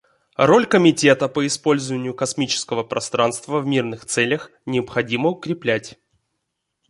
Роль Комитета по использованию космического пространства в мирных целях необходимо укреплять.